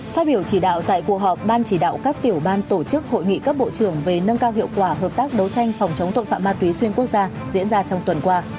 phát biểu chỉ đạo tại cuộc họp ban chỉ đạo các tiểu ban tổ chức hội nghị các bộ trưởng về nâng cao hiệu quả hợp tác đấu tranh phòng chống tội phạm ma túy xuyên quốc gia diễn ra trong tuần qua